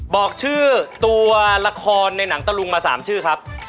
บอกชื่อตัวละครในหนังตะลุงมา๓ชื่อครับ